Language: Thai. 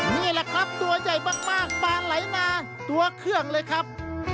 นี่แหละครับตัวใหญ่มากปลาไหลนาตัวเครื่องเลยครับ